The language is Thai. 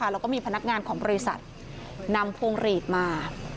แล้วก็มีพนักงานของบริษัทนำพวงหลีดมา